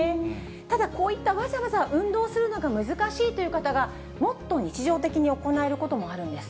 ただこういったわざわざ運動するのが難しいという方がもっと日常的に行えることもあるんです。